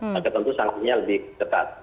maka tentu sanksinya lebih ketat